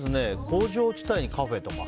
工場地帯にカフェとか。